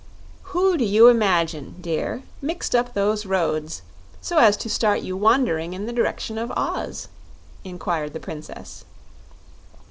"Who do you imagine, dear, mixed up those roads, so as to start you wandering in the direction of Oz?" inquired the Princess.